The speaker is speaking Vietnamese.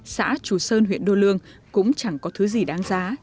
xã trù sơn huyện đô lương cũng chẳng có thứ gì đáng giá